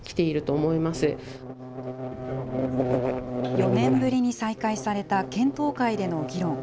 ４年ぶりに再開された検討会での議論。